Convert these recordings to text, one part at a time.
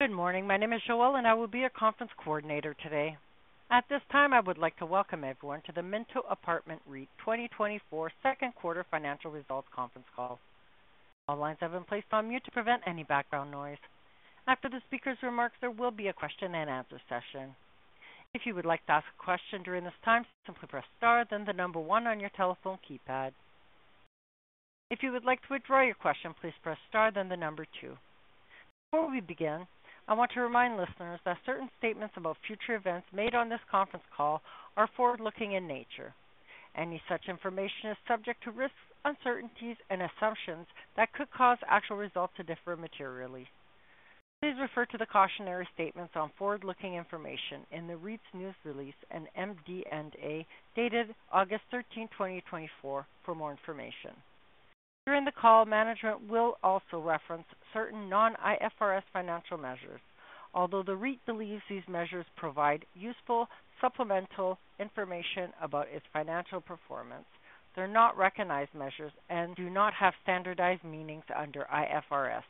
Good morning. My name is Joelle, and I will be your conference coordinator today. At this time, I would like to welcome everyone to the Minto Apartment REIT 2024 Second Quarter Financial Results Conference Call. All lines have been placed on mute to prevent any background noise. After the speaker's remarks, there will be a question-and-answer session. If you would like to ask a question during this time, simply press star, then the number one on your telephone keypad. If you would like to withdraw your question, please press star, then the number two. Before we begin, I want to remind listeners that certain statements about future events made on this conference call are forward-looking in nature. Any such information is subject to risks, uncertainties, and assumptions that could cause actual results to differ materially. Please refer to the cautionary statements on forward-looking information in the REIT's news release and MD&A, dated August 13th, 2024, for more information. During the call, management will also reference certain non-IFRS financial measures. Although the REIT believes these measures provide useful supplemental information about its financial performance, they're not recognized measures and do not have standardized meanings under IFRS.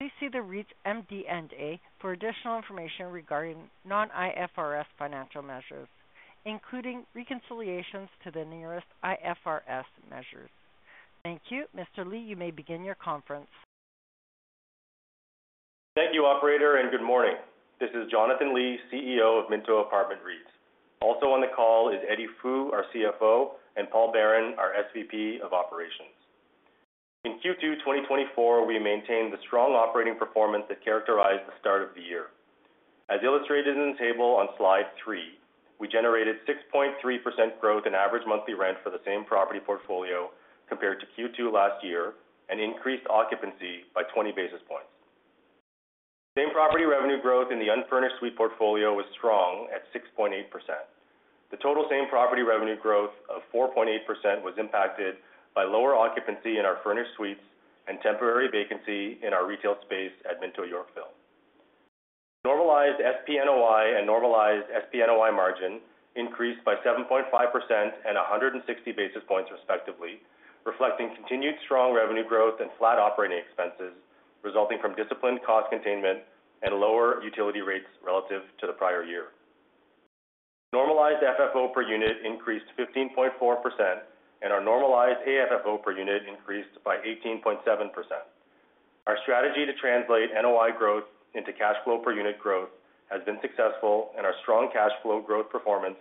Please see the REIT's MD&A for additional information regarding non-IFRS financial measures, including reconciliations to the nearest IFRS measures. Thank you. Mr. Li, you may begin your conference. Thank you, operator, and good morning. This is Jonathan Li, CEO of Minto Apartment REIT. Also on the call is Eddie Fu, our CFO, and Paul Baron, our SVP of Operations. In Q2 2024, we maintained the strong operating performance that characterized the start of the year. As illustrated in the table on slide three, we generated 6.3% growth in average monthly rent for the same property portfolio compared to Q2 last year, and increased occupancy by 20 basis points. Same property revenue growth in the unfurnished suite portfolio was strong at 6.8%. The total same-property revenue growth of 4.8% was impacted by lower occupancy in our furnished suites and temporary vacancy in our retail space at Minto Yorkville. Normalized SPNOI and normalized SPNOI margin increased by 7.5% and 160 basis points, respectively, reflecting continued strong revenue growth and flat operating expenses, resulting from disciplined cost containment and lower utility rates relative to the prior year. Normalized FFO per unit increased 15.4%, and our normalized AFFO per unit increased by 18.7%. Our strategy to translate NOI growth into cash flow per unit growth has been successful, and our strong cash flow growth performance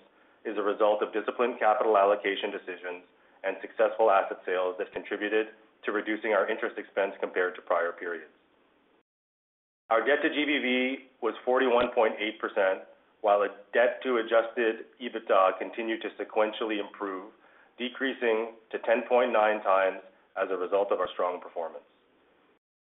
is a result of disciplined capital allocation decisions and successful asset sales that contributed to reducing our interest expense compared to prior periods. Our debt to GBV was 41.8%, while its debt to adjusted EBITDA continued to sequentially improve, decreasing to 10.9x as a result of our strong performance.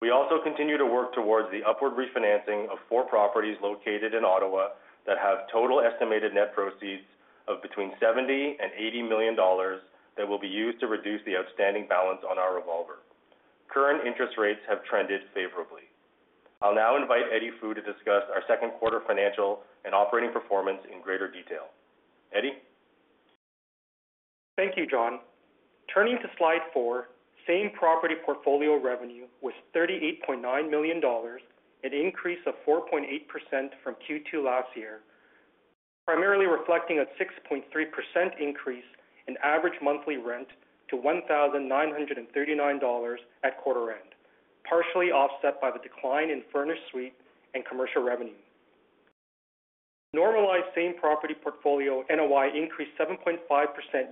We also continue to work towards the upward refinancing of 4 properties located in Ottawa that have total estimated net proceeds of between 70 million and 80 million dollars that will be used to reduce the outstanding balance on our revolver. Current interest rates have trended favorably. I'll now invite Eddie Fu to discuss our second quarter financial and operating performance in greater detail. Eddie? Thank you, Jon. Turning to slide four, same property portfolio revenue was 38.9 million dollars, an increase of 4.8% from Q2 last year, primarily reflecting a 6.3% increase in average monthly rent to 1,939 dollars at quarter end, partially offset by the decline in furnished suite and commercial revenue. Normalized same-property portfolio NOI increased 7.5%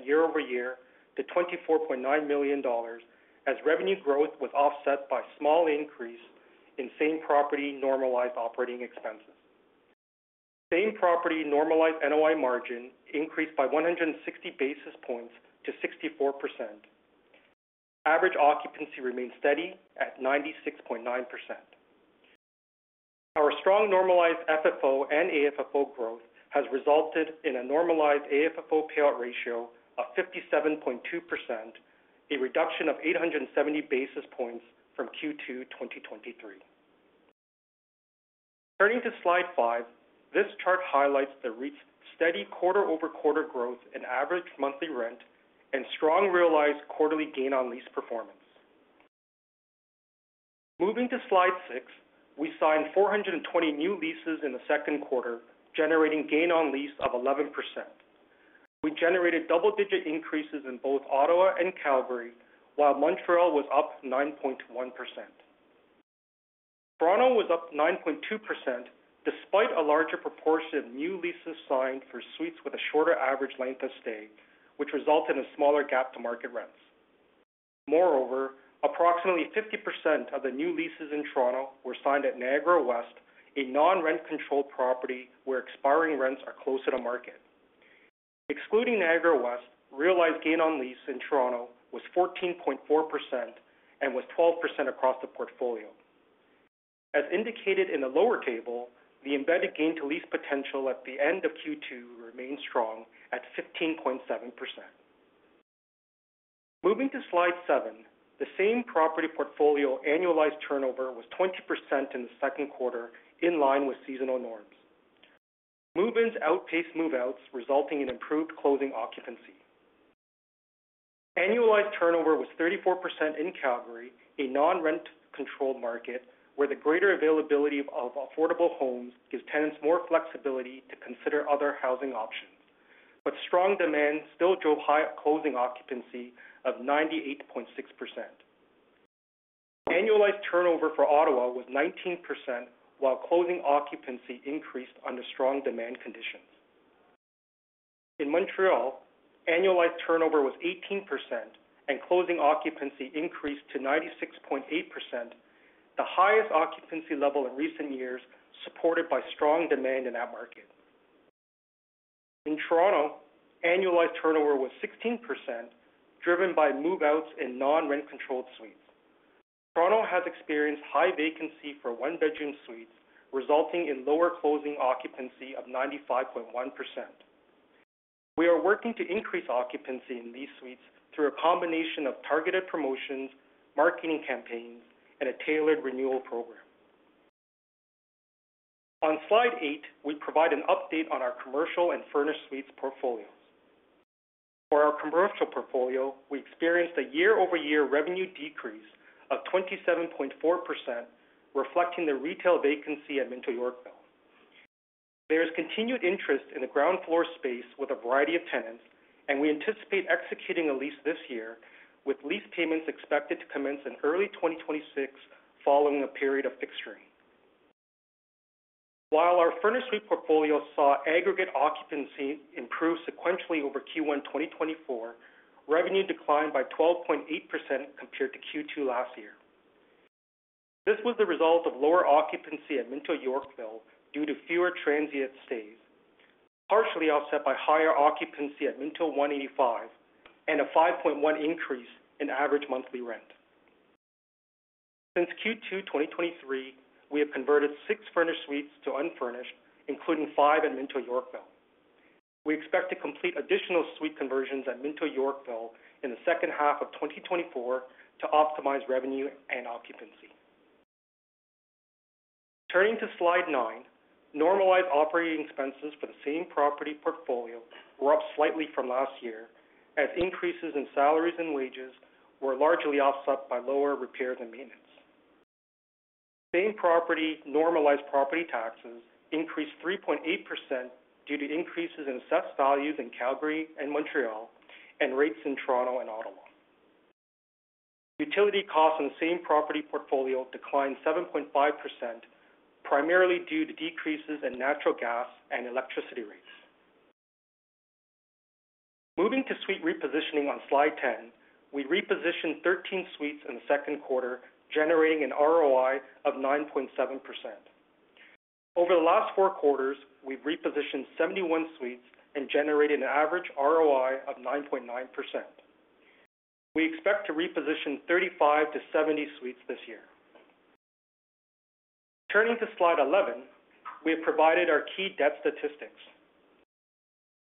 year-over-year to 24.9 million dollars, as revenue growth was offset by small increase in same-property normalized operating expenses. Same-property normalized NOI margin increased by 160 basis points to 64%. Average occupancy remained steady at 96.9%. Our strong normalized FFO and AFFO growth has resulted in a normalized AFFO payout ratio of 57.2%, a reduction of 870 basis points from Q2 2023. Turning to slide five, this chart highlights the REIT's steady quarter-over-quarter growth in average monthly rent and strong realized quarterly gain on lease performance. Moving to slide six, we signed 420 new leases in the second quarter, generating gain on lease of 11%. We generated double-digit increases in both Ottawa and Calgary, while Montreal was up 9.1%. Toronto was up 9.2%, despite a larger proportion of new leases signed for suites with a shorter average length of stay, which resulted in a smaller gap to market rents. Moreover, approximately 50% of the new leases in Toronto were signed at Niagara West, a non-rent-controlled property, where expiring rents are closer to market. Excluding Niagara West, realized gain on lease in Toronto was 14.4% and was 12% across the portfolio. As indicated in the lower table, the embedded gain to lease potential at the end of Q2 remains strong at 15.7%. Moving to slide seven, the same property portfolio annualized turnover was 20% in the second quarter, in line with seasonal norms. Move-ins outpaced move-outs, resulting in improved closing occupancy. Annualized turnover was 34% in Calgary, a non-rent controlled market, where the greater availability of affordable homes gives tenants more flexibility to consider other housing options. But strong demand still drove high closing occupancy of 98.6%. Annualized turnover for Ottawa was 19%, while closing occupancy increased under strong demand conditions. In Montreal, annualized turnover was 18%, and closing occupancy increased to 96.8%, the highest occupancy level in recent years, supported by strong demand in that market. In Toronto, annualized turnover was 16%, driven by move-outs in non-rent-controlled suites. Toronto has experienced high vacancy for one-bedroom suites, resulting in lower closing occupancy of 95.1%. We are working to increase occupancy in these suites through a combination of targeted promotions, marketing campaigns, and a tailored renewal program. On slide eight, we provide an update on our commercial and furnished suites portfolios. For our commercial portfolio, we experienced a year-over-year revenue decrease of 27.4%, reflecting the retail vacancy at Minto Yorkville. There is continued interest in the ground floor space with a variety of tenants, and we anticipate executing a lease this year, with lease payments expected to commence in early 2026, following a period of fixturing. While our furnished suite portfolio saw aggregate occupancy improve sequentially over Q1 2024, revenue declined by 12.8% compared to Q2 last year. This was the result of lower occupancy at Minto Yorkville due to fewer transient stays, partially offset by higher occupancy at Minto One80five and a 5.1 increase in average monthly rent. Since Q2 2023, we have converted six furnished suites to unfurnished, including five at Minto Yorkville. We expect to complete additional suite conversions at Minto Yorkville in the second half of 2024 to optimize revenue and occupancy. Turning to slide nine, normalized operating expenses for the same property portfolio were up slightly from last year, as increases in salaries and wages were largely offset by lower repairs and maintenance. Same property, normalized property taxes increased 3.8% due to increases in assessed values in Calgary and Montreal and rates in Toronto and Ottawa. Utility costs in the same property portfolio declined 7.5%, primarily due to decreases in natural gas and electricity rates. Moving to suite repositioning on slide 10, we repositioned 13 suites in the second quarter, generating an ROI of 9.7%. Over the last four quarters, we've repositioned 71 suites and generated an average ROI of 9.9%. We expect to reposition 35-70 suites this year. Turning to slide 11, we have provided our key debt statistics.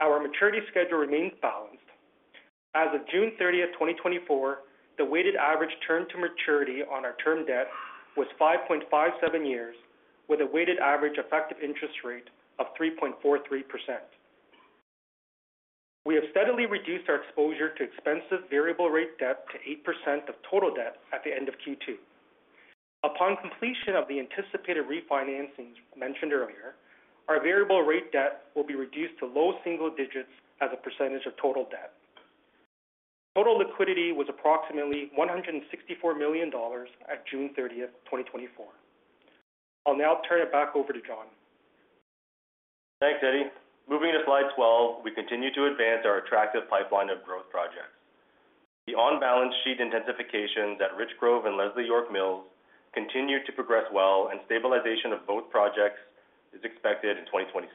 Our maturity schedule remains balanced. As of June 30th, 2024, the weighted average term to maturity on our term debt was 5.57 years, with a weighted average effective interest rate of 3.43%. We have steadily reduced our exposure to expensive variable rate debt to 8% of total debt at the end of Q2. Upon completion of the anticipated refinancing mentioned earlier, our variable rate debt will be reduced to low single digits as a percentage of total debt. Total liquidity was approximately 164 million dollars at June 30th, 2024. I'll now turn it back over to Jon. Thanks, Eddie. Moving to slide 12, we continue to advance our attractive pipeline of growth projects. The on-balance sheet intensifications at Richgrove and Leslie York Mills continue to progress well, and stabilization of both projects is expected in 2026.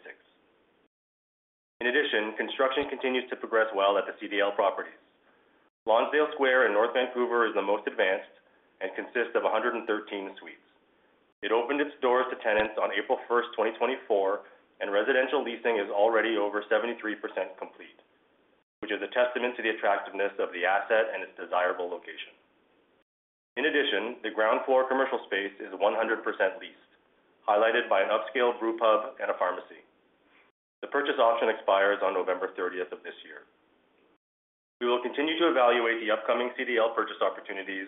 In addition, construction continues to progress well at the CDL properties. Lonsdale Square in North Vancouver is the most advanced and consists of 113 suites. It opened its doors to tenants on April 1st, 2024, and residential leasing is already over 73% complete, which is a testament to the attractiveness of the asset and its desirable location. In addition, the ground floor commercial space is 100% leased, highlighted by an upscale brewpub and a pharmacy. The purchase option expires on November 30th of this year. We will continue to evaluate the upcoming CDL purchase opportunities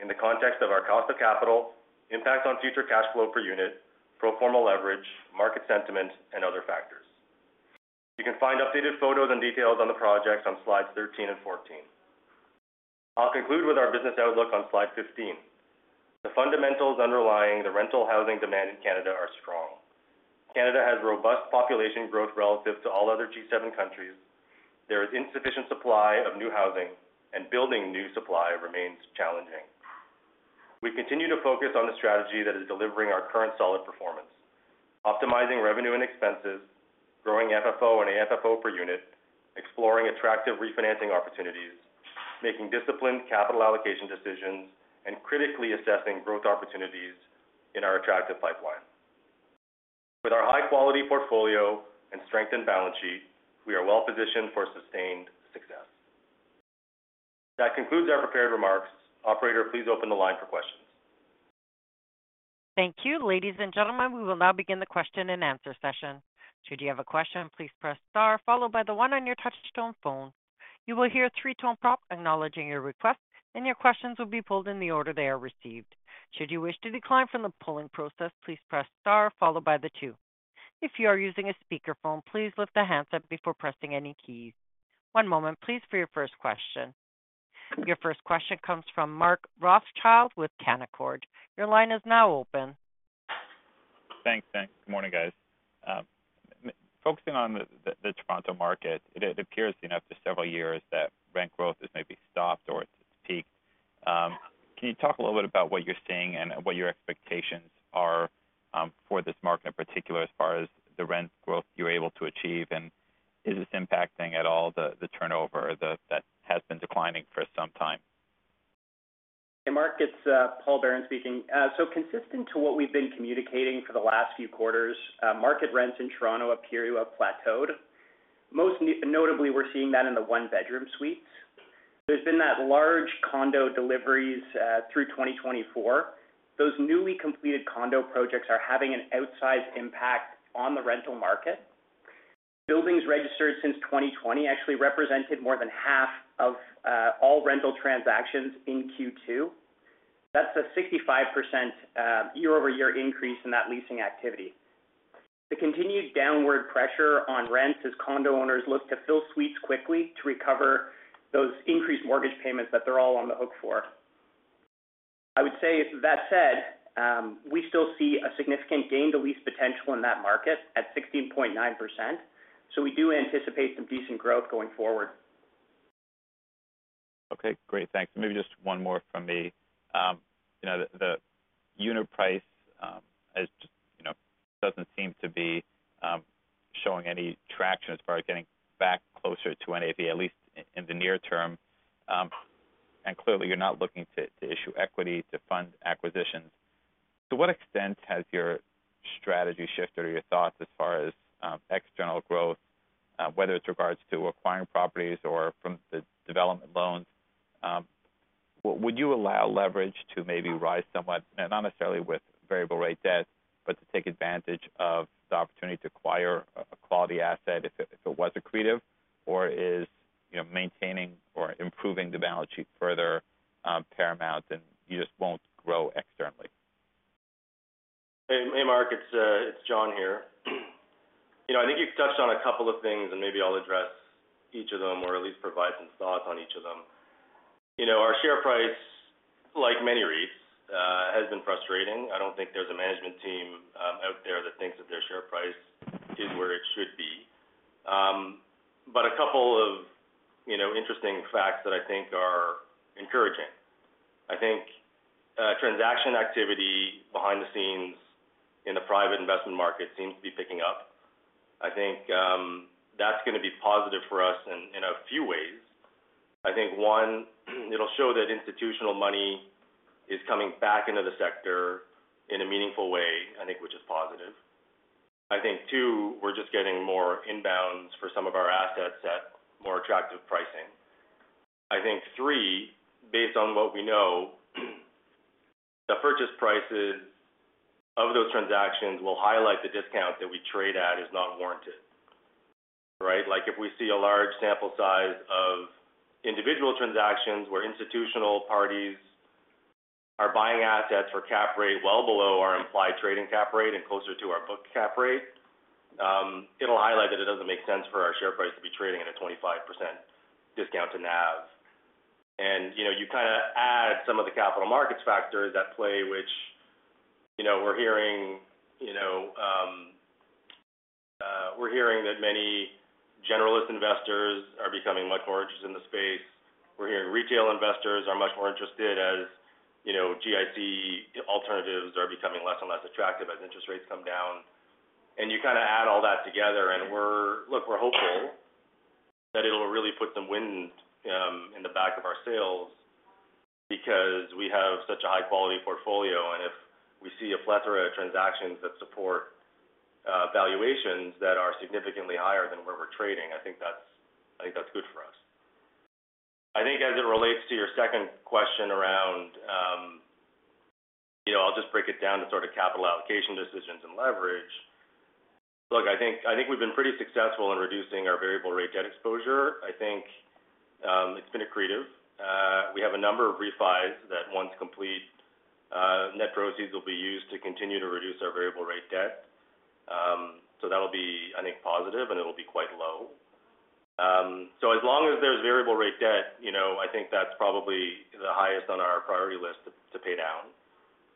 in the context of our cost of capital, impact on future cash flow per unit, pro forma leverage, market sentiment, and other factors. You can find updated photos and details on the projects on slides 13 and 14. I'll conclude with our business outlook on slide 15. The fundamentals underlying the rental housing demand in Canada are strong. Canada has robust population growth relative to all other G7 countries. There is insufficient supply of new housing, and building new supply remains challenging. We continue to focus on the strategy that is delivering our current solid performance, optimizing revenue and expenses, growing FFO and AFFO per unit, exploring attractive refinancing opportunities, making disciplined capital allocation decisions, and critically assessing growth opportunities in our attractive pipeline. With our high-quality portfolio and strengthened balance sheet, we are well positioned for sustained success. That concludes our prepared remarks. Operator, please open the line for questions. Thank you. Ladies and gentlemen, we will now begin the question-and-answer session. Should you have a question, please press star followed by the one on your touchtone phone. You will hear three-tone prompt acknowledging your request, and your questions will be pulled in the order they are received. Should you wish to decline from the polling process, please press star followed by the two. If you are using a speakerphone, please lift the handset before pressing any keys. One moment, please, for your first question. Your first question comes from Mark Rothschild with Canaccord. Your line is now open. Thanks. Thanks. Good morning, guys. Focusing on the Toronto market, it appears, you know, after several years that rent growth has maybe stopped or it's peaked. Can you talk a little bit about what you're seeing and what your expectations are, for this market in particular, as far as the rent growth you're able to achieve, and is this impacting at all the turnover that has been declining for some time? Hey, Mark, it's Paul Baron speaking. So consistent to what we've been communicating for the last few quarters, market rents in Toronto appear to have plateaued. Most notably, we're seeing that in the one-bedroom suites. There's been that large condo deliveries through 2024. Those newly completed condo projects are having an outsized impact on the rental market. Buildings registered since 2020 actually represented more than half of all rental transactions in Q2. That's a 65% year-over-year increase in that leasing activity. The continued downward pressure on rents as condo owners look to fill suites quickly to recover those increased mortgage payments that they're all on the hook for. I would say with that said, we still see a significant gain to lease potential in that market at 16.9%, so we do anticipate some decent growth going forward. Okay, great. Thanks. Maybe just one more from me. You know, the unit price, as you know, doesn't seem to be showing any traction as far as getting back closer to NAV, at least in the near term. And clearly, you're not looking to issue equity to fund acquisitions. To what extent has your strategy shifted or your thoughts as far as external growth, whether it's in regards to acquiring properties or from the development loans? Would you allow leverage to maybe rise somewhat, not necessarily with variable rate debt, but to take advantage of the opportunity to acquire a quality asset if it was accretive, or is, you know, maintaining or improving the balance sheet further paramount, and you just won't grow externally? Hey, Mark, it's Jon here. You know, I think you've touched on a couple of things, and maybe I'll address each of them or at least provide some thoughts on each of them. You know, our share price, like many REITs, has been frustrating. I don't think there's a management team out there that thinks that their share price is where it should be. But a couple of, you know, interesting facts that I think are encouraging. I think, transaction activity behind the scenes in the private investment market seems to be picking up. I think, that's going to be positive for us in a few ways. I think, one, it'll show that institutional money is coming back into the sector in a meaningful way, I think, which is positive. I think, two, we're just getting more inbounds for some of our assets at more attractive pricing. I think, three, based on what we know, the purchase prices of those transactions will highlight the discount that we trade at is not warranted, right? Like, if we see a large sample size of individual transactions where institutional parties are buying assets for cap rate well below our implied trading cap rate and closer to our book cap rate, it'll highlight that it doesn't make sense for our share price to be trading at a 25% discount to NAV. And, you know, you kind of add some of the capital markets factors at play, which, you know, we're hearing that many generalist investors are becoming much more interested in the space. We're hearing retail investors are much more interested as, you know, GIC alternatives are becoming less and less attractive as interest rates come down. And you kind of add all that together, and we're... Look, we're hopeful that it'll really put some wind in the back of our sails because we have such a high-quality portfolio. And if we see a plethora of transactions that support valuations that are significantly higher than where we're trading, I think that's, I think that's good for us. I think as it relates to your second question around, you know, I'll just break it down to sort of capital allocation decisions and leverage. Look, I think, I think we've been pretty successful in reducing our variable rate debt exposure. I think, it's been accretive. We have a number of refis that once complete, net proceeds will be used to continue to reduce our variable rate debt. So that'll be, I think, positive, and it'll be quite low. So as long as there's variable rate debt, you know, I think that's probably the highest on our priority list to pay down,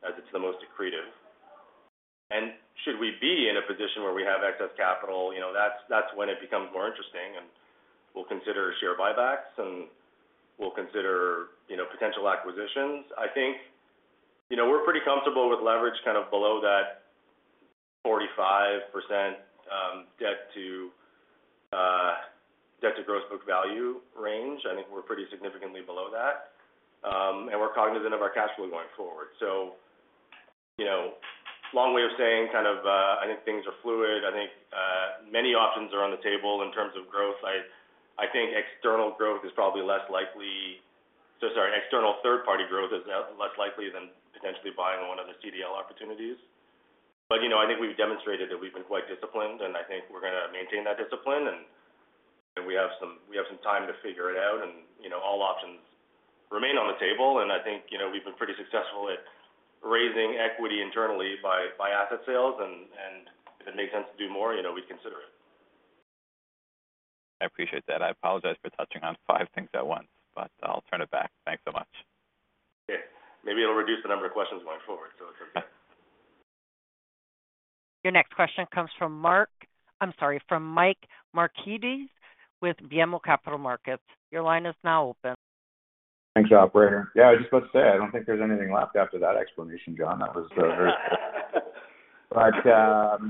as it's the most accretive. And should we be in a position where we have excess capital, you know, that's when it becomes more interesting, and we'll consider share buybacks, and we'll consider, you know, potential acquisitions. I think, you know, we're pretty comfortable with leverage kind of below that 45%, debt to gross book value range. I think we're pretty significantly below that. And we're cognizant of our cash flow going forward. So, you know, long way of saying kind of, I think things are fluid. I think, many options are on the table in terms of growth. I think external growth is probably less likely. So sorry, an external third party growth is less likely than potentially buying one of the CDL opportunities. But, you know, I think we've demonstrated that we've been quite disciplined, and I think we're going to maintain that discipline. And we have some time to figure it out, and, you know, all options remain on the table. And I think, you know, we've been pretty successful at raising equity internally by asset sales, and if it makes sense to do more, you know, we'd consider it. I appreciate that. I apologize for touching on five things at once, but I'll turn it back. Thanks so much. Yeah. Maybe it'll reduce the number of questions going forward, so it's okay. Your next question comes from Mark, I'm sorry, from Mike Markidis, with BMO Capital Markets. Your line is now open. Thanks, operator. Yeah, I was just about to say, I don't think there's anything left after that explanation, Jon. That was very- But,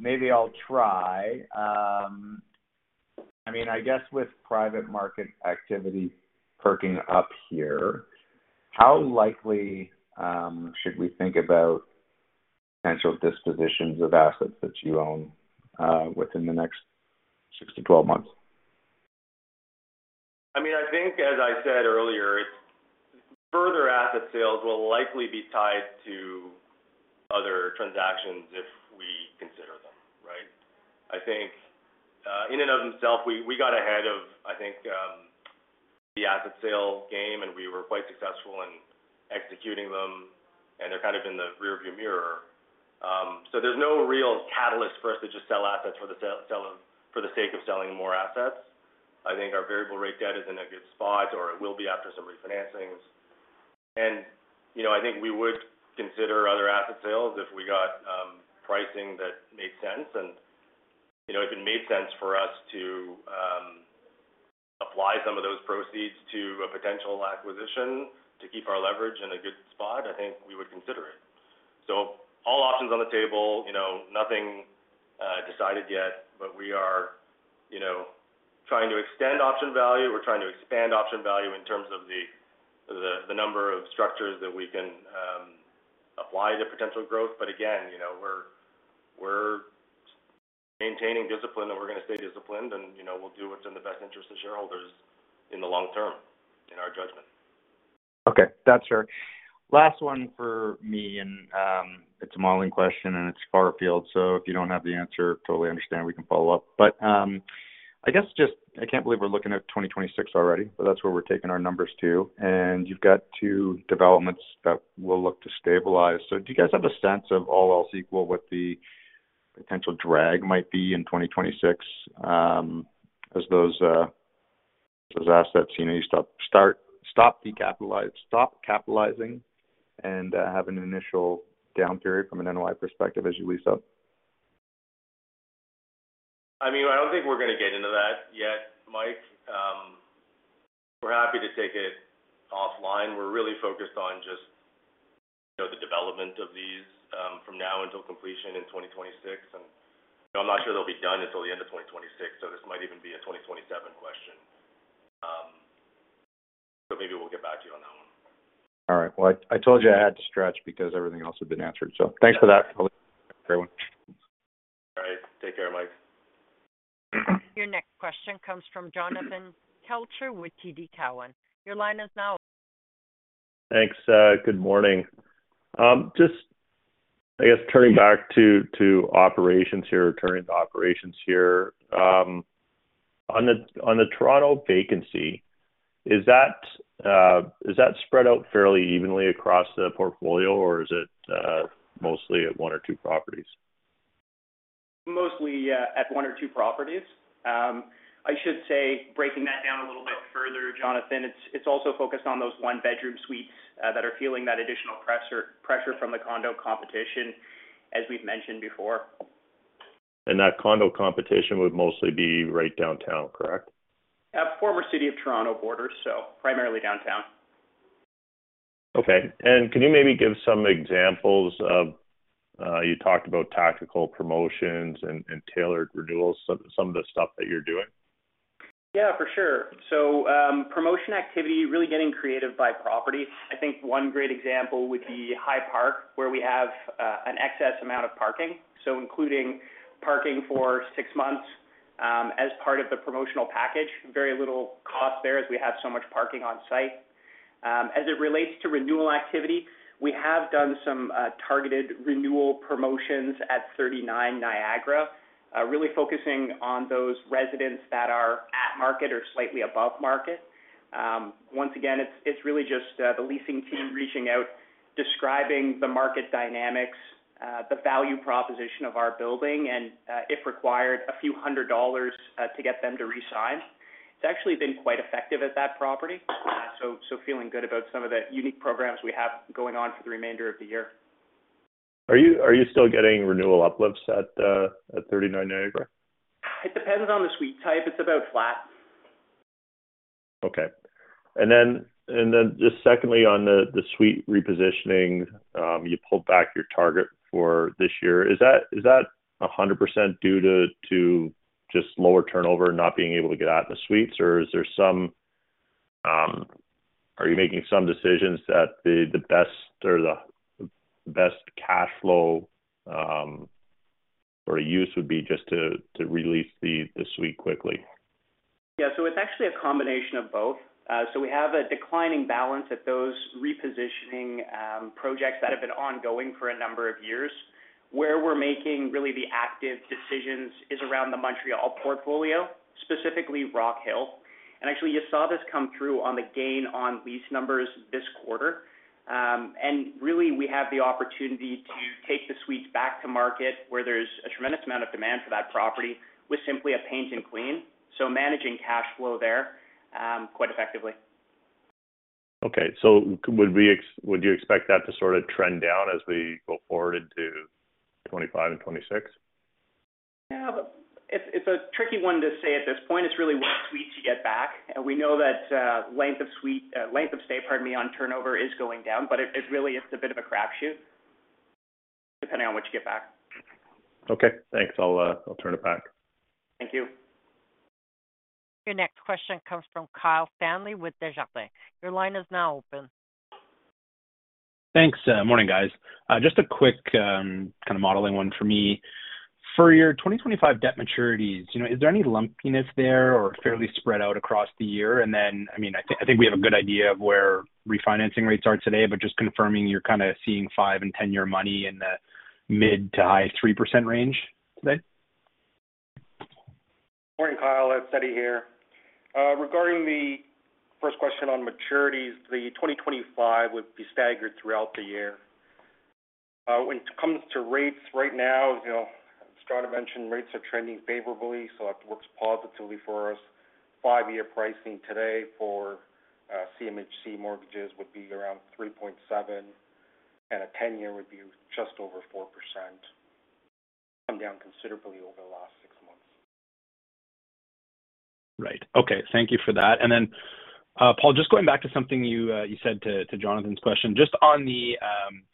maybe I'll try. I mean, I guess with private market activity perking up here, how likely should we think about potential dispositions of assets that you own within the next six to 12 months? I mean, I think as I said earlier, it's, further asset sales will likely be tied to other transactions if we consider them, right? I think, in and of themselves, we got ahead of, I think, the asset sale game, and we were quite successful in executing them, and they're kind of in the rearview mirror. So there's no real catalyst for us to just sell assets for the sell, for the sake of selling more assets. I think our variable rate debt is in a good spot, or it will be after some refinancings. And, you know, I think we would consider other asset sales if we got, pricing that made sense. You know, if it made sense for us to apply some of those proceeds to a potential acquisition to keep our leverage in a good spot, I think we would consider it. All options on the table, you know, nothing decided yet, but we are, you know, trying to extend option value. We're trying to expand option value in terms of the number of structures that we can apply to potential growth. Again, you know, we're maintaining discipline, and we're going to stay disciplined, and, you know, we'll do what's in the best interest of shareholders in the long term, in our judgment. Okay. That's fair. Last one for me, and it's a modeling question, and it's far afield, so if you don't have the answer, totally understand, we can follow up. But I guess just I can't believe we're looking at 2026 already, but that's where we're taking our numbers to. And you've got two developments that will look to stabilize. So do you guys have a sense of, all else equal, what the potential drag might be in 2026, as those assets, you know, you stop capitalizing and have an initial down period from an NOI perspective as you lease up? I mean, I don't think we're going to get into that yet, Mike. We're happy to take it offline. We're really focused on just, you know, the development of these, from now until completion in 2026. And I'm not sure they'll be done until the end of 2026, so this might even be a 2027 question. But maybe we'll get back to you on that one. All right. Well, I, I told you I had to stretch because everything else had been answered. So thanks for that. Have a great one. All right. Take care, Mike. Your next question comes from Jonathan Kelcher with TD Cowen. Your line is now open. Thanks, good morning. Just, I guess, turning to operations here. On the Toronto vacancy, is that spread out fairly evenly across the portfolio, or is it mostly at one or two properties? Mostly, yeah, at one or two properties. I should say, breaking that down a little bit further, Jonathan, it's also focused on those one-bedroom suites that are feeling that additional pressure from the condo competition, as we've mentioned before. That condo competition would mostly be right downtown, correct? At former City of Toronto borders, so primarily downtown. Okay. Can you maybe give some examples of, you talked about tactical promotions and tailored renewals, some of the stuff that you're doing? Yeah, for sure. So, promotion activity, really getting creative by property. I think one great example would be High Park, where we have, an excess amount of parking, so including parking for six months, as part of the promotional package. Very little cost there, as we have so much parking on site. As it relates to renewal activity, we have done some, targeted renewal promotions at 39 Niagara, really focusing on those residents that are at market or slightly above market. Once again, it's really just, the leasing team reaching out, describing the market dynamics, the value proposition of our building, and, if required, a few hundred CAD, to get them to re-sign. It's actually been quite effective at that property. So, feeling good about some of the unique programs we have going on for the remainder of the year. Are you, are you still getting renewal uplifts at, at 39 Niagara? It depends on the suite type. It's about flat. Okay. And then just secondly, on the suite repositioning, you pulled back your target for this year. Is that 100% due to just lower turnover, not being able to get out in the suites? Or is there some... Are you making some decisions that the best cash flow or a use would be just to release the suite quickly? Yeah. So it's actually a combination of both. So we have a declining balance at those repositioning projects that have been ongoing for a number of years. Where we're making really the active decisions is around the Montreal portfolio, specifically Rockhill. And actually, you saw this come through on the gain on lease numbers this quarter. And really, we have the opportunity to take the suites back to market, where there's a tremendous amount of demand for that property, with simply a paint and clean. So managing cash flow there, quite effectively. Okay. So would you expect that to sort of trend down as we go forward into 2025 and 2026? Yeah, but it's, it's a tricky one to say at this point. It's really what suites you get back. And we know that, length of suite, length of stay, pardon me, on turnover is going down, but it, it really is a bit of a crap shoot, depending on what you get back. Okay, thanks. I'll turn it back. Thank you. Your next question comes from Kyle Stanley with Desjardins. Your line is now open. Thanks. Morning, guys. Just a quick kind of modeling one for me. For your 2025 debt maturities, you know, is there any lumpiness there or fairly spread out across the year? And then, I mean, I think we have a good idea of where refinancing rates are today, but just confirming, you're kind of seeing five- and 10-year money in the mid- to high-3% range today? Morning, Kyle. It's Eddie here. Regarding the first question on maturities, the 2025 would be staggered throughout the year. When it comes to rates, right now, you know, as Jon mentioned, rates are trending favorably, so that works positively for us. Five-year pricing today for CMHC mortgages would be around 3.7%, and a 10-year would be just over 4%. Come down considerably over the last six months. Right. Okay, thank you for that. And then, Paul, just going back to something you, you said to Jonathan's question. Just on the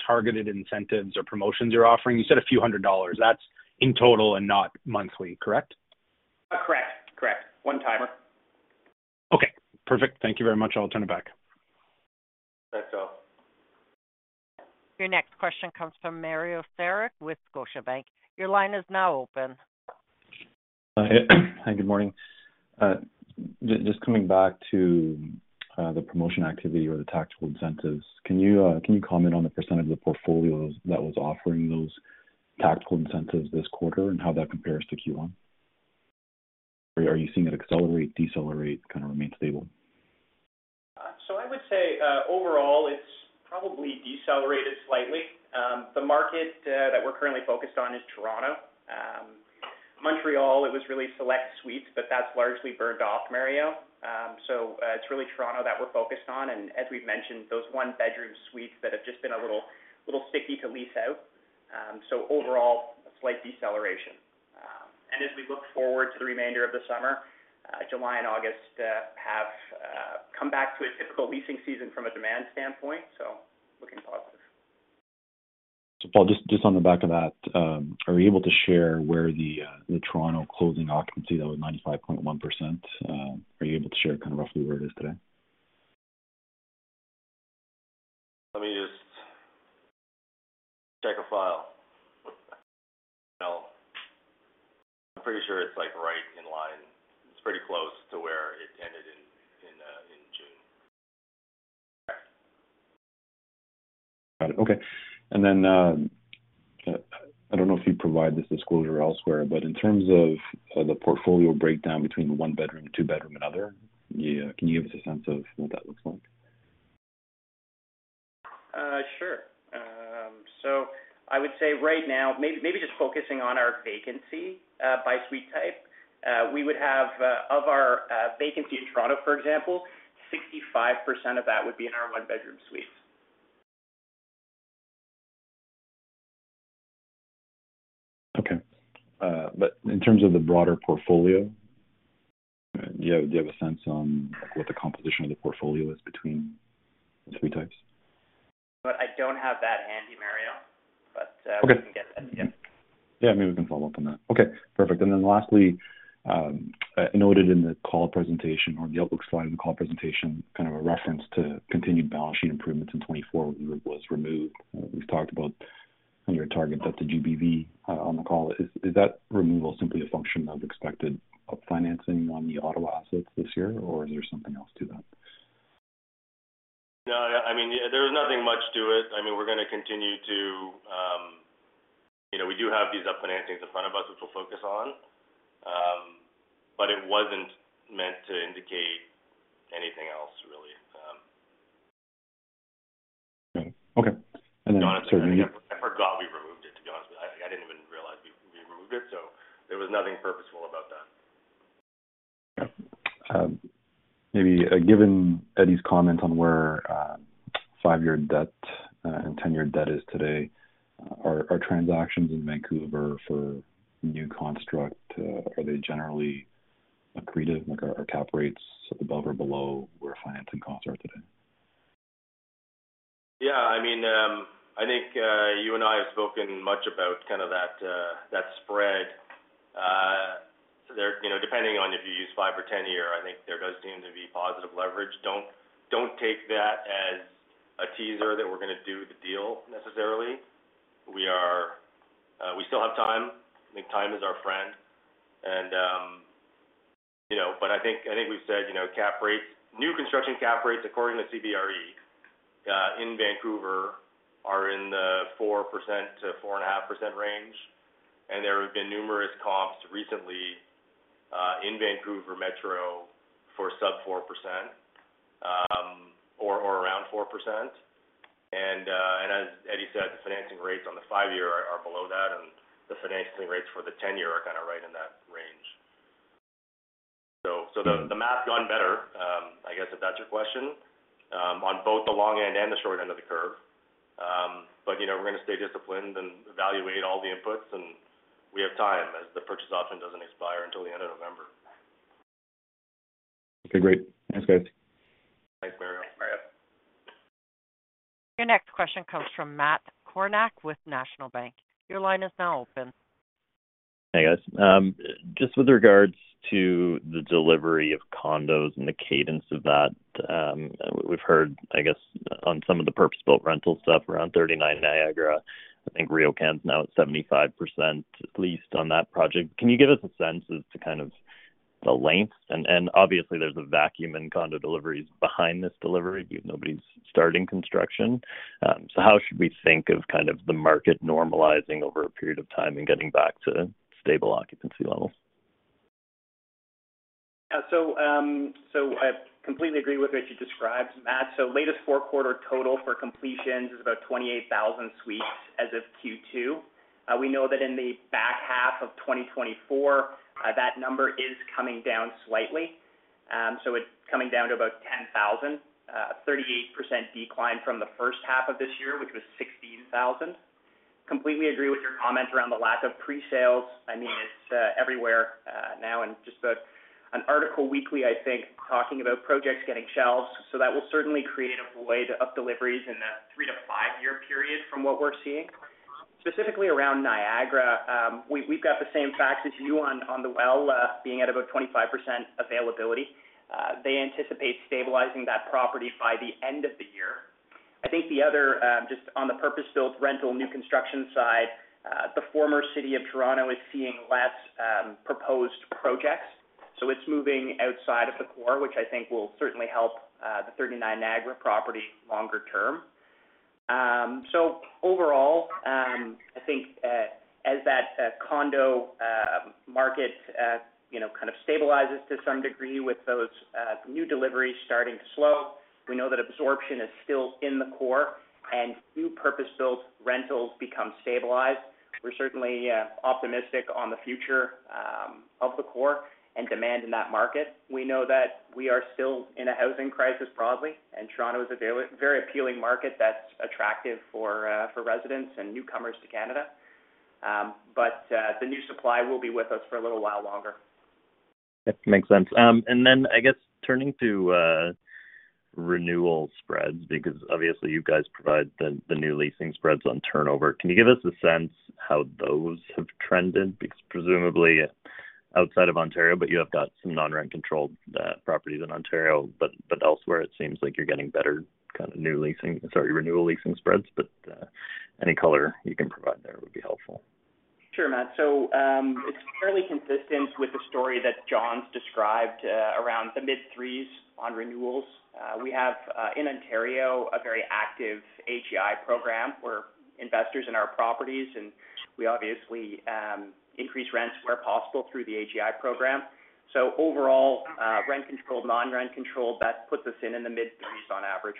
targeted incentives or promotions you're offering, you said a few hundred dollars. That's in total and not monthly, correct? Correct, correct. One-timer. Okay, perfect. Thank you very much. I'll turn it back. That's all. Your next question comes from Mario Saric with Scotiabank. Your line is now open. Hi, hi, good morning. Just coming back to the promotion activity or the tactical incentives, can you comment on the percent of the portfolio that was offering those tactical incentives this quarter and how that compares to Q1? Are you seeing it accelerate, decelerate, kind of remain stable? So I would say, overall, it's probably decelerated slightly. The market that we're currently focused on is Toronto. Montreal, it was really select suites, but that's largely burned off, Mario. So it's really Toronto that we're focused on, and as we've mentioned, those one-bedroom suites that have just been a little, little sticky to lease out. So overall, a slight deceleration. And as we look forward to the remainder of the summer, July and August have come back to a typical leasing season from a demand standpoint, so looking positive. Paul, just on the back of that, are you able to share where the Toronto closing occupancy, that was 95.1%, are you able to share kind of roughly where it is today? Let me just check a file. I'm pretty sure it's, like, right in line. It's pretty close to where it ended in June. Got it. Okay. And then, I don't know if you provide this disclosure elsewhere, but in terms of, of the portfolio breakdown between the one-bedroom, two-bedroom and other, yeah, can you give us a sense of what that looks like? Sure. So I would say right now, maybe, maybe just focusing on our vacancy by suite type, we would have of our vacancy in Toronto, for example, 65% of that would be in our one-bedroom suites. Okay. In terms of the broader portfolio, do you have, do you have a sense on what the composition of the portfolio is between the suite types? But I don't have that handy, Mario. Okay. We can get that to you. Yeah, maybe we can follow up on that. Okay, perfect. And then lastly, I noted in the call presentation or the outlook slide in the call presentation, kind of a reference to continued balance sheet improvements in 2024 was removed. We've talked about your target at the GBV on the call. Is that removal simply a function of expected up financing on the Ottawa assets this year, or is there something else to that? No, I mean, there was nothing much to it. I mean, we're gonna continue to. You know, we do have these up financings in front of us, which we'll focus on. But it wasn't meant to indicate anything else, really. Okay. I forgot we removed it, to be honest with you. I, I didn't even realize we, we removed it, so there was nothing purposeful about that. Yep. Maybe, given Eddie's comment on where five-year debt and 10-year debt is today, are transactions in Vancouver for new construction are they generally accretive? Like, are cap rates above or below where financing costs are today? Yeah, I mean, I think, you and I have spoken much about kind of that, 10-year, I think there does seem to be positive leverage. Don't, don't take that as a teaser that we're going to do the deal necessarily. We are, we still have time. I think time is our friend. And, you know, but I think, I think we've said, you know, cap rates, new construction cap rates, according to CBRE, in Vancouver, are in the 4%-4.5% range, and there have been numerous comps recently, in Vancouver Metro for sub-4%, or, or around 4%. And, and as Eddie said, the financing rates on the five-year are, are below that, and the financing rates for the 10-year are kind of right in that range. So the math's gone better, I guess, if that's your question, on both the long end and the short end of the curve. But, you know, we're going to stay disciplined and evaluate all the inputs, and we have time, as the purchase option doesn't expire until the end of November. Okay, great. Thanks, guys. Thanks, Mario. Your next question comes from Matt Kornack with National Bank. Your line is now open. Hey, guys. Just with regards to the delivery of condos and the cadence of that, we've heard, I guess, on some of the purpose-built rental stuff around 39 Niagara, I think RioCan is now at 75% leased on that project. Can you give us a sense as to kind of the length? And, and obviously, there's a vacuum in condo deliveries behind this delivery, nobody's starting construction. So how should we think of kind of the market normalizing over a period of time and getting back to stable occupancy levels? Yeah. So, I completely agree with what you described, Matt. So latest fourth quarter total for completions is about 28,000 suites as of Q2. We know that in the back half of 2024, that number is coming down slightly. So it's coming down to about 10,000, 38% decline from the first half of this year, which was 16,000. Completely agree with your comment around the lack of pre-sales. I mean, it's everywhere now, and just about an article weekly, I think, talking about projects getting shelved. So that will certainly create a void of deliveries in the three- to five-year period from what we're seeing. Specifically around Niagara, we've got the same facts as you on The Well, being at about 25% availability. They anticipate stabilizing that property by the end of the year. I think the other, just on the purpose-built rental, new construction side, the former city of Toronto is seeing less, proposed projects, so it's moving outside of the core, which I think will certainly help, the 39 Niagara property longer term. So overall, I think, as that, condo, market, you know, kind of stabilizes to some degree with those, new deliveries starting to slow, we know that absorption is still in the core, and new purpose-built rentals become stabilized. We're certainly, optimistic on the future, of the core and demand in that market. We know that we are still in a housing crisis, broadly, and Toronto is a very appealing market that's attractive for, for residents and newcomers to Canada. But, the new supply will be with us for a little while longer. That makes sense. And then, I guess, turning to renewal spreads, because obviously you guys provide the new leasing spreads on turnover. Can you give us a sense how those have trended? Because presumably outside of Ontario, but you have got some non-rent controlled properties in Ontario. But elsewhere, it seems like you're getting better kind of new leasing—sorry, renewal leasing spreads, but any color you can provide there would be helpful. Sure, Matt. So, it's fairly consistent with the story that Jon's described, around the mid-3s on renewals. We have, in Ontario, a very active AGI program where investors in our properties, and we obviously, increase rents where possible through the AGI program. So overall, rent controlled, non-rent controlled, that puts us in the mid-30s on average.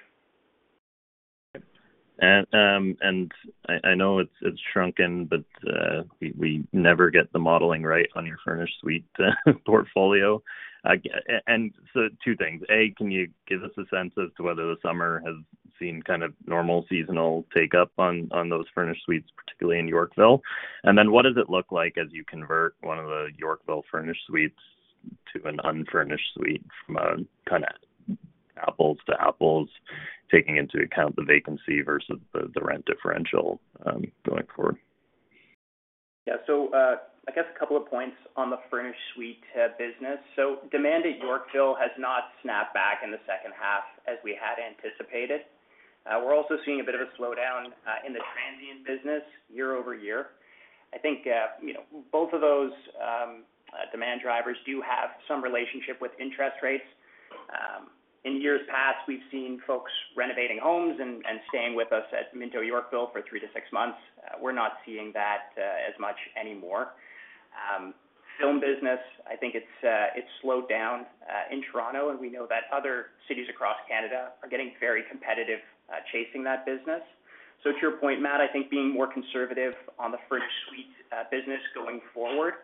I know it's shrunken, but we never get the modeling right on your furnished suite portfolio. And so two things: A, can you give us a sense as to whether the summer has seen kind of normal seasonal take up on those furnished suites, particularly in Yorkville? And then what does it look like as you convert one of the Yorkville furnished suites to an unfurnished suite from a kind of apples to apples, taking into account the vacancy versus the rent differential going forward? Yeah. So, I guess a couple of points on the furnished suite business. So demand at Yorkville has not snapped back in the second half as we had anticipated. We're also seeing a bit of a slowdown in the transient business year-over-year. I think, you know, both of those demand drivers do have some relationship with interest rates. In years past, we've seen folks renovating homes and staying with us at Minto Yorkville for three to six months. We're not seeing that as much anymore. Film business, I think it's slowed down in Toronto, and we know that other cities across Canada are getting very competitive chasing that business. So to your point, Matt, I think being more conservative on the furnished suite business going forward.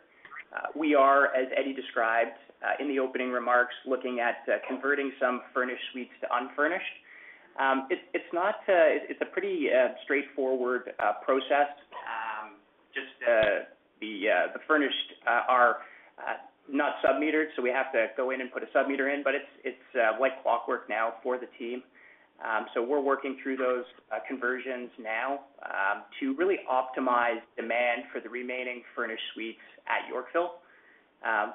We are, as Eddie described, in the opening remarks, looking at converting some furnished suites to unfurnished. It's not, it's a pretty straightforward process. Just the furnished are not sub-metered, so we have to go in and put a sub-meter in, but it's like clockwork now for the team. So we're working through those conversions now, to really optimize demand for the remaining furnished suites at Yorkville,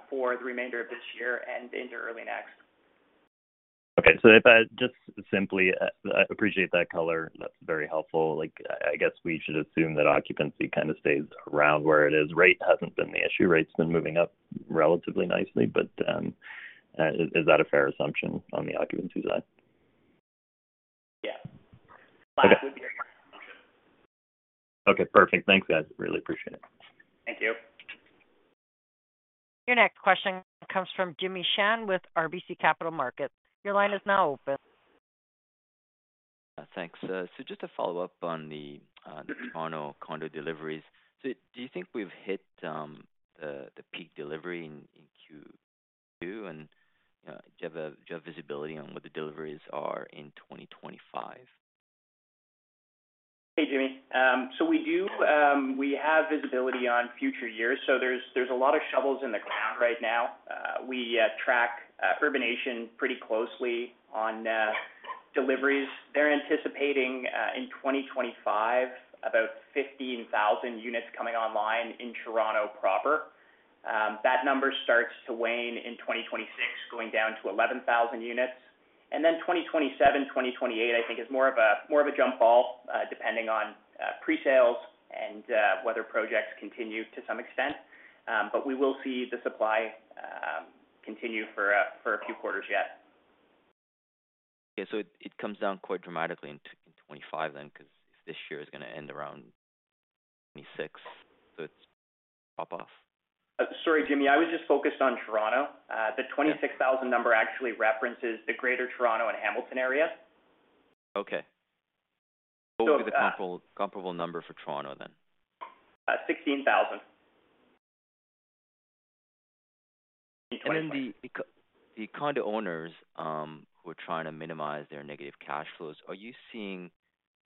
for the remainder of this year and into early next. Okay. So if I just simply, I appreciate that color. That's very helpful. Like, I guess we should assume that occupancy kind of stays around where it is. Rate hasn't been the issue. Rate's been moving up relatively nicely, but is that a fair assumption on the occupancy side? Yeah. Okay. That would be our assumption. Okay, perfect. Thanks, guys. Really appreciate it. Thank you. Your next question comes from Jimmy Shan with RBC Capital Markets. Your line is now open. Thanks. So just to follow up on the Toronto condo deliveries. So do you think we've hit the peak delivery in Q2? And do you have visibility on what the deliveries are in 2025? Hey, Jimmy. So we do, we have visibility on future years, so there's, there's a lot of shovels in the ground right now. We track Urbanation pretty closely on deliveries. They're anticipating in 2025, about 15,000 units coming online in Toronto proper. That number starts to wane in 2026, going down to 11,000 units. And then 2027, 2028, I think is more of a, more of a jump ball, depending on presales and whether projects continue to some extent. But we will see the supply continue for a, for a few quarters yet. Yeah. So it comes down quite dramatically in 2025 then, because this year is gonna end around 2026, so it's drop off. Sorry, Jimmy, I was just focused on Toronto. Yeah. The 26,000 number actually references the Greater Toronto and Hamilton area. Okay. So, uh- What would be the comparable, comparable number for Toronto then? 16,000. Then the condo owners who are trying to minimize their negative cash flows, are you seeing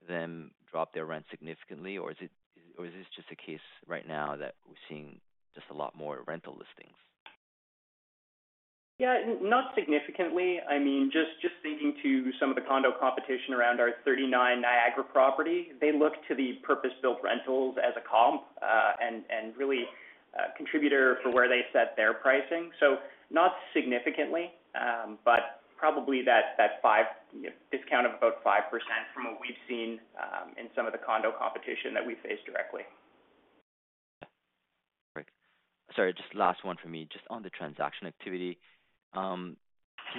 them drop their rent significantly, or is it or is this just a case right now that we're seeing just a lot more rental listings? Yeah, not significantly. I mean, just, just speaking to some of the condo competition around our 39 Niagara property, they look to the purpose-built rentals as a comp, and, and really a contributor for where they set their pricing. So not significantly, but probably that five... discount of about 5% from what we've seen, in some of the condo competition that we face directly. Great. Sorry, just last one for me. Just on the transaction activity, can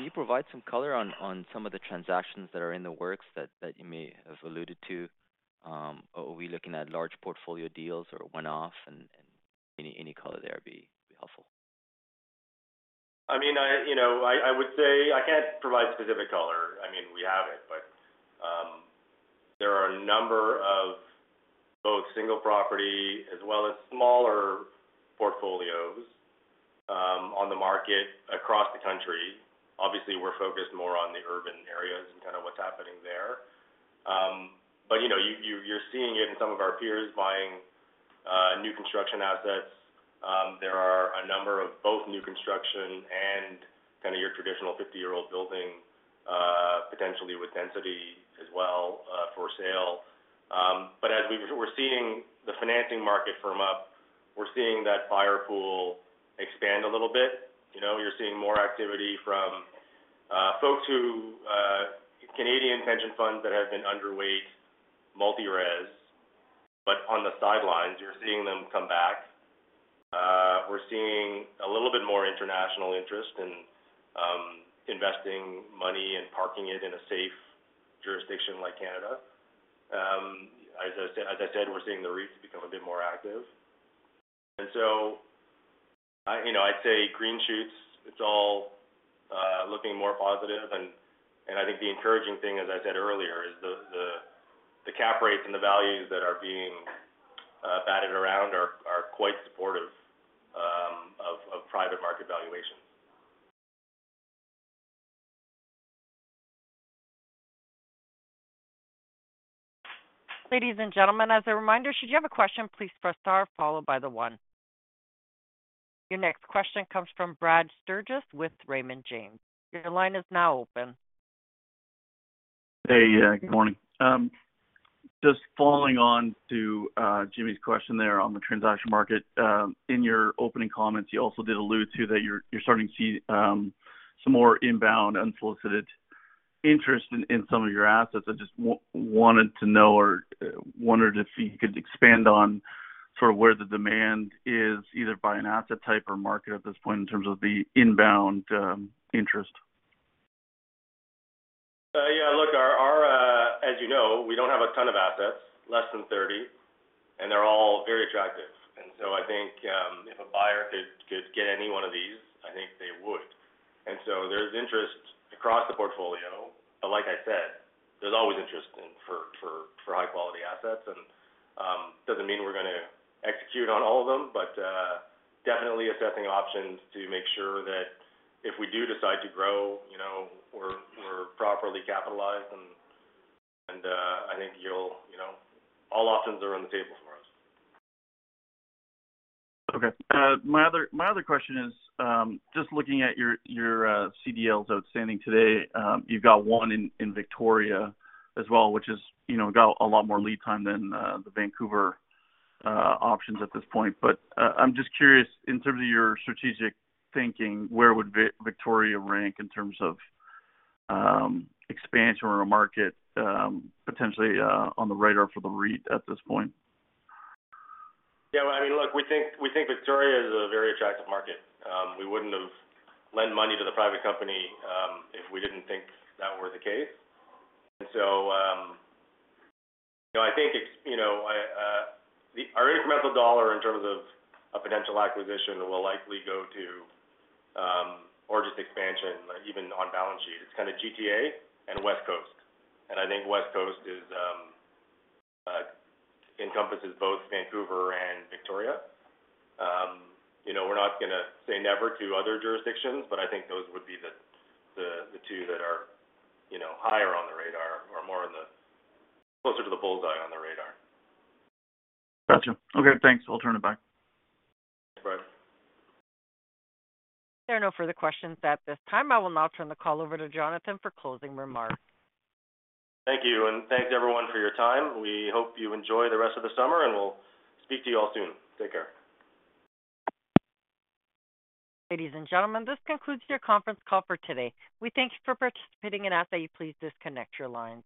you provide some color on some of the transactions that are in the works that you may have alluded to? Are we looking at large portfolio deals or one-off and any color there would be helpful. I mean, you know, I would say I can't provide specific color. I mean, we have it, but there are a number of both single property as well as smaller portfolios on the market across the country. Obviously, we're focused more on the urban areas and kind of what's happening there. But, you know, you're seeing it in some of our peers buying new construction assets. There are a number of both new construction and kind of your traditional 50-year-old building, potentially with density as well, for sale. But as we're seeing the financing market firm up, we're seeing that buyer pool expand a little bit. You know, you're seeing more activity from folks who Canadian pension funds that have been underweight multi-res, but on the sidelines, you're seeing them come back. We're seeing a little bit more international interest in investing money and parking it in a safe jurisdiction like Canada. As I said- as I said, we're seeing the REITs become a bit more active. And so, I, you know, I'd say green shoots, it's all looking more positive. And I think the encouraging thing, as I said earlier, is the cap rates and the values that are being batted around are quite supportive of private market valuations. Ladies and gentlemen, as a reminder, should you have a question, please press star followed by the one. Your next question comes from Brad Sturges with Raymond James. Your line is now open. Hey, good morning. Just following on to Jimmy's question there on the transaction market. In your opening comments, you also did allude to that you're starting to see some more inbound, unsolicited interest in some of your assets. I just wanted to know or wondered if you could expand on sort of where the demand is, either by an asset type or market at this point in terms of the inbound interest. Yeah, look, our. As you know, we don't have a ton of assets, less than 30, and they're all very attractive. And so I think if a buyer could get any one of these, I think they would. And so there's interest across the portfolio. But like I said, there's always interest in high-quality assets, and doesn't mean we're gonna execute on all of them, but definitely assessing options to make sure that if we do decide to grow, you know, we're properly capitalized. And I think you'll, you know, all options are on the table for us. Okay. My other, my other question is, just looking at your, your, CDLs outstanding today, you've got one in, in Victoria as well, which is, you know, got a lot more lead time than, the Vancouver, options at this point. But, I'm just curious, in terms of your strategic thinking, where would Victoria rank in terms of, expansion or market, potentially, on the radar for the REIT at this point? Yeah, I mean, look, we think, we think Victoria is a very attractive market. We wouldn't have lent money to the private company, if we didn't think that were the case. And so, you know, I think it's, you know, the, our incremental dollar in terms of a potential acquisition will likely go to, or just expansion, even on balance sheet. It's kind of GTA and West Coast, and I think West Coast is, encompasses both Vancouver and Victoria. You know, we're not gonna say never to other jurisdictions, but I think those would be the, the, the two that are, you know, higher on the radar or more on the, closer to the bull's eye on the radar. Gotcha. Okay, thanks. I'll turn it back. Thanks, Brad. There are no further questions at this time. I will now turn the call over to Jonathan for closing remarks. Thank you, and thanks, everyone, for your time. We hope you enjoy the rest of the summer, and we'll speak to you all soon. Take care. Ladies and gentlemen, this concludes your conference call for today. We thank you for participating and ask that you please disconnect your lines.